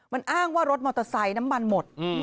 มันอ้างว่ารถมอเตอร์ไซค์น้ำมันหมด